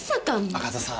赤座さん。